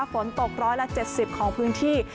ฝนตก๑๗๐ของพื้นที่